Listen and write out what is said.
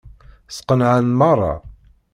Sqenɛen meṛṛa.